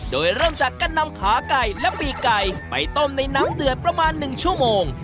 โดยเริ่มจากการนำขาไก่และปีกไก่ไปต้มในน้ำเดือดประมาณ๑ชั่วโมง